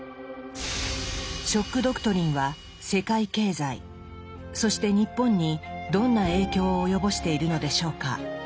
「ショック・ドクトリン」は世界経済そして日本にどんな影響を及ぼしているのでしょうか。